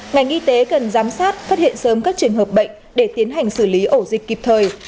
ngành y tế cần giám sát phát hiện sớm các trường hợp bệnh để tiến hành xử lý ổ dịch kịp thời